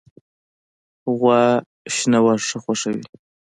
غوا شین واښه خوښوي.